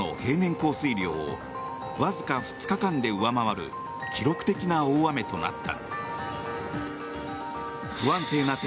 降水量をわずか２日間で上回る記録的な大雨となった。